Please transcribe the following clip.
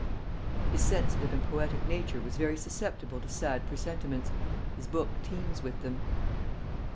His sensitive and poetic nature was very susceptible to sad presentiments; his book teems with them.